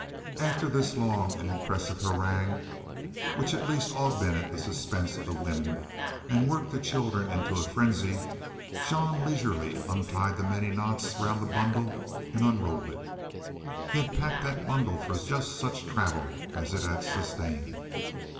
After this long and impressive harangue, which at least augmented the suspense of the women and worked the children into a frenzy, Jean leisurely untied the many knots round the bundle and unrolled it. He had packed that bundle for just such travel as it had sustained.